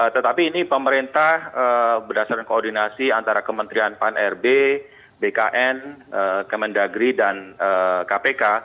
tetapi ini pemerintah berdasarkan koordinasi antara kementerian pan rb bkn kemendagri dan kpk